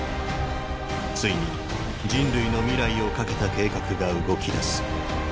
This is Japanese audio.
ついに人類の未来をかけた計画が動きだす。